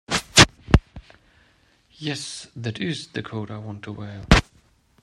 Yes, that IS the coat I want to wear.